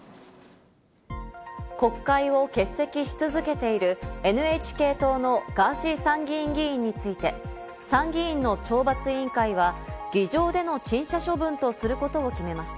国会を欠席し続けているＮＨＫ党のガーシー参議院議員について、参議院の懲罰委員会は議場での陳謝処分とすることを決めました。